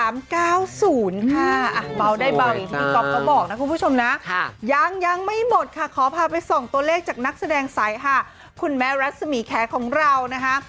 เบาได้เบาอย่างที่พี่ก๊อฟเขาบอกนะคุณผู้ชมนะยังยังไม่หมดค่ะขอพาไปส่องตัวเลขจากนักแสดงสายหาคุณแม่รัศมีแคของเรานะคะ